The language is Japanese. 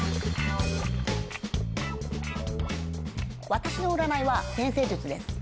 私の占いは天星術です。